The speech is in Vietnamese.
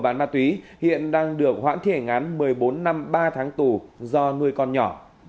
bán ma túy hiện đang được hoãn thi hành án một mươi bốn năm ba tháng tù do nuôi con nhỏ